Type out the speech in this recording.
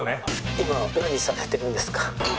「今何されてるんですか？」。